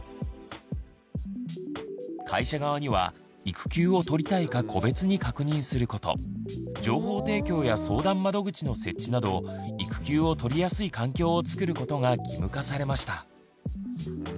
会社側には育休を取りたいか個別に確認すること情報提供や相談窓口の設置など育休を取りやすい環境をつくることが義務化されました。